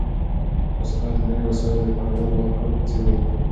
تاسو باید د نويو وسایلو د کارولو لارښود په ځیر ولولئ.